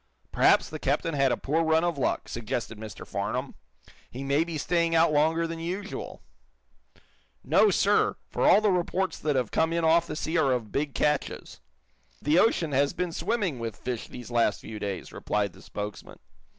"Perhaps the captain had a poor run of luck," suggested Mr. Farnum. "He may be staying out longer than usual." "No, sir, for all the reports that have come in off the sea are of big catches. The ocean has been swarming with fish these last few days," replied the spokesman.